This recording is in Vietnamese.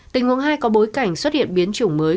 tình huống hai có bối cảnh xuất hiện biến chủng mới